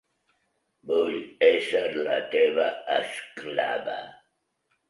Vull ésser la teva esclava.